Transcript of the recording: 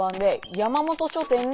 山本書店ね。